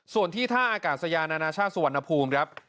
ส่วนที่ท่าอากาศยานานทราชน์สุวรรณภูมิ